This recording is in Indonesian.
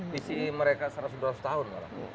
visi mereka seratus dua ratus tahun malah